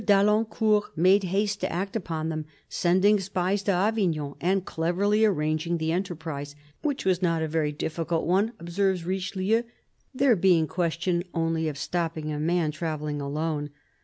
d'Alincourt made haste to act upon them, sending spies to Avignon and cleverly arranging the enterprise, " which was not a very difficult one," observes Richelieu, " there being question only of stopping a man travelling alone."